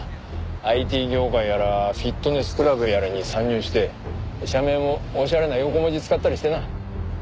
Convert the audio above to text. ＩＴ業界やらフィットネスクラブやらに参入して社名もおしゃれな横文字使ったりしてな。